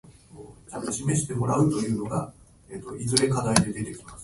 たった一ミリが遠くて